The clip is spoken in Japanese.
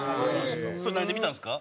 それ何で見たんですか？